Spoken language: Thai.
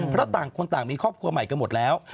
เพราะต่างคนต่างมีครอบครัวใหม่กันหมดแล้ว